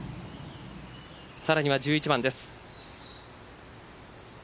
さらには１１番です。